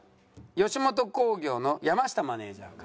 吉本興業の山下マネジャーから。